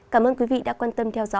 cảm ơn quý vị đã quan tâm theo dõi